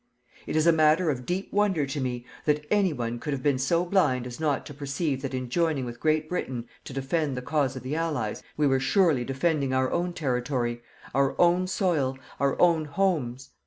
It is a matter of deep wonder to me that any one could have been so blind as not to perceive that in joining with Great Britain to defend the cause of the Allies, we were surely defending our own territory, our own soil, our own homes.